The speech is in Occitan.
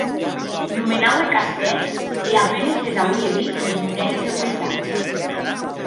Nomenaue castèths e a penes les auie vist enes monedes de ueitaus.